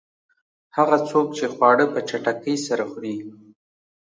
هغه څوک چې خواړه په چټکۍ سره خوري.